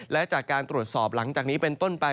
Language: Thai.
และจากการตรวจสอบหลังจากนี้เป็นต้นไป